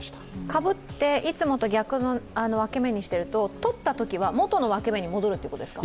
かぶって、いつもと逆の分け目にしてるととったときは元の分け目に戻るということですか？